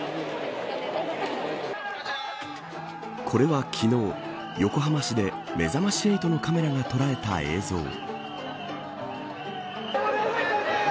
これは昨日、横浜市でめざまし８のカメラが捉えた映像。